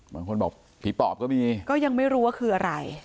บางคนบอกผีปอบก็มีก็ยังไม่รู้ว่าคืออะไร